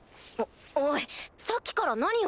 おおいさっきから何を。